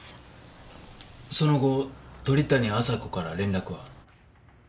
その後鳥谷亜沙子から連絡は？